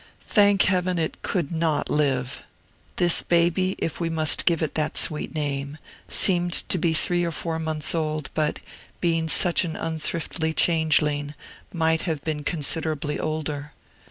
Thank Heaven, it could not live! This baby, if we must give it that sweet name, seemed to be three or four months old, but, being such an unthrifty changeling, might have been considerably older.